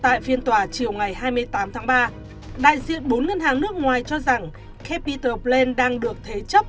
tại phiên tòa chiều ngày hai mươi tám tháng ba đại diện bốn ngân hàng nước ngoài cho rằng capital bland đang được thế chấp